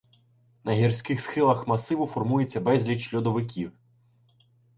На гірських схилах масиву формується безліч льодовиків.